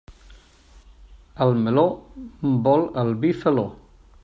El meló vol el vi felló.